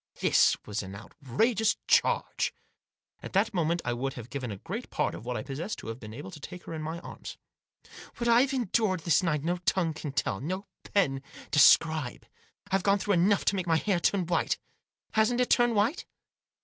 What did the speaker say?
This was an outrageous charge. At that moment I would have given a great part of what I possessed to have been able to take her in my arms. " What I've endured this night no tongue can tell, no pen describe. I've gone through enough to make my hair turn white. Hasn't it turned white